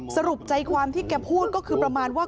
สรุปใจความที่แกพูดก็คือประมาณว่า